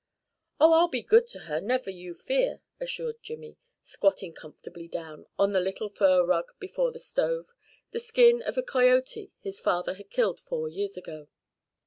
"Oh, I'll be good to her, never you fear," assured Jimmy, squatting comfortably down on the little fur rug before the stove the skin of the coyote his father had killed four years ago.